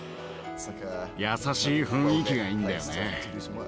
優しい雰囲気がいいんだよね。